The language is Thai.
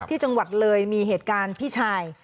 ที่จังหวัดเลยมีเหตุการณ์พี่ชาย